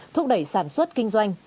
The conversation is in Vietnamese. thúc đẩy sản xuất kinh doanh